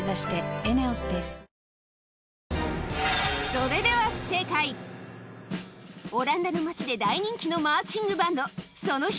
それではオランダの街で大人気のマーチングバンドその秘密がこちら